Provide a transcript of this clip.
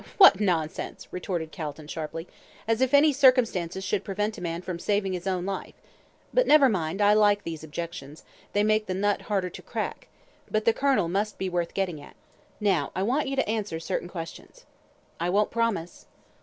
"What nonsense," retorted Calton, sharply, "as if any circumstances should prevent a man from saving his own life. But never mind, I like these objections; they make the nut harder to crack but the kernel must be worth getting at. Now, I want you to answer certain questions." "I won't promise."